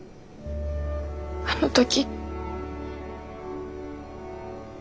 あの時。